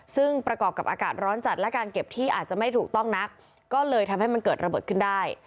ซึ่งประกอบกับอากาศร้อนจัดและการเก็บที่อาจจะไม่ถูกต้องนักก็เลยทำให้มันเกิดระเบิดขึ้นได้